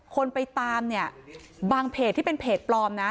คนไปตามเนี่ยบางเพจที่เป็นเพจปลอมนะ